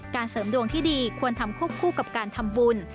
เสริมดวงที่ดีควรทำควบคู่กับการทำบุญ